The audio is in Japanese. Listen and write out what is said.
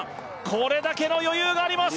これだけの余裕があります